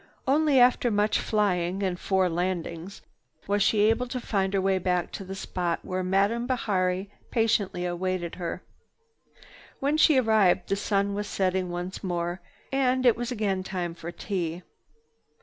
Only after much flying and four landings was she able to find her way back to the spot where Madame Bihari patiently awaited her. When she arrived the sun was setting once more and it was again time for tea.